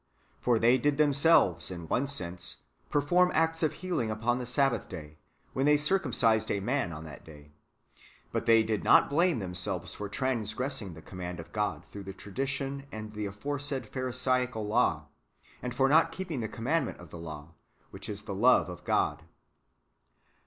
For they did themselves, in one sense, perform acts of healing upon the Sabbath day, when they circumcised a man [on that day] ; but they did not blame themselves for transsrressinf»; the command of God through tradition and the aforesaid pharisaical law, and for not keeping the commandment of the law, which is the love of God.